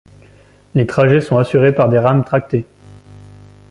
Les trajets sont assurés par des rames tractées.